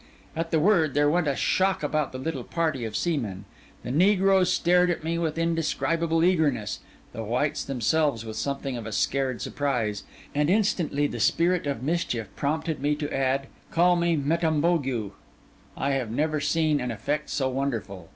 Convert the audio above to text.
At the word, there went a shock about the little party of seamen; the negroes stared at me with indescribable eagerness, the whites themselves with something of a scared surprise; and instantly the spirit of mischief prompted me to add, 'And if the name is new to your ears, call me Metamnbogu.' I had never seen an effect so wonderful.